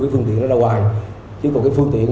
cái phương tiện ra ngoài chứ còn cái phương tiện